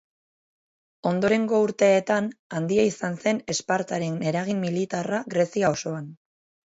Ondorengo urteetan, handia izan zen Espartaren eragin militarra Grezia osoan.